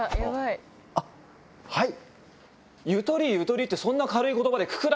あっはい。